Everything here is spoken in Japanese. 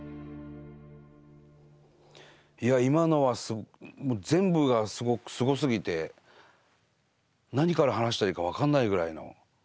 いや今のは全部がすごすぎて何から話したらいいか分かんないぐらいの。